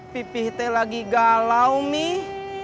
pipih teh lagi galau mih